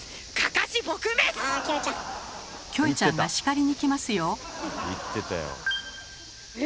キョエちゃんが叱りにきますよ！